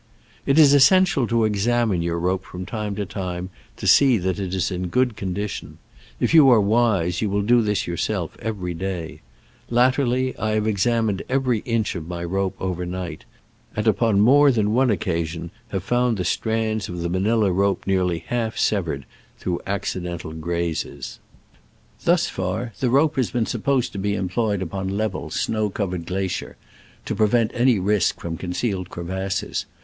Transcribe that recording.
It is essential to e^^amine your rope from time to time to see that it is in good condition. If you are wise you will do this yourself every day. Latterly, I have examined every inch of my rope over night, and upon more than one occa sion have found the strands of the Ma nila rope nearly half severed through accidental grazes. Digitized by Google SCRAMBLES AMONGST THE ALPS IN i86o '69. H7 Thus far the rope has been supposed to be employed upon level, snow cov ered glacier, to prevent any risk from concealed crevasses.